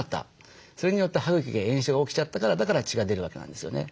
それによって歯茎が炎症が起きちゃったからだから血が出るわけなんですよね。